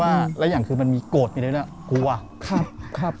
เพราะว่าแล้วอย่างคือมันมีโกรธไปเลยแล้วครับครับครับ